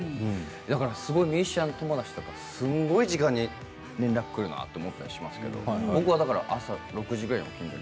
だからミュージシャン友達とかすごい時間に連絡くるなと思ったりしますけど、僕は僕は朝６時ぐらいに起きます。